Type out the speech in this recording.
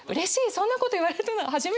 そんなこと言われたの初めてだよ」。